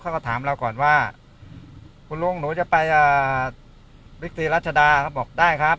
เขาก็ถามเราก่อนว่าคุณลุงหนูจะไปบิ๊กตีรัชดาเขาบอกได้ครับ